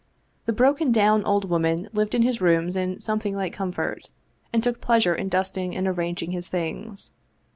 The broken down old woman lived in his rooms in some thing like comfort, and took pleasure in dusting and arrang ing his things.